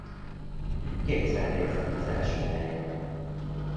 Kétszer végzett az első helyen.